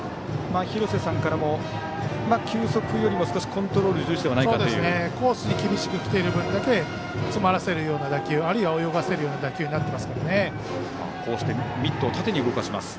廣瀬さんからも球速よりもコントロールコースに厳しく来ている分だけ詰まらせるような打球あるいは泳がせるような打球になっていますね。